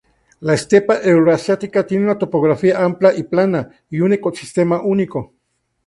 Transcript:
La estepa euroasiática tiene una topografía amplia y plana, y un ecosistema único.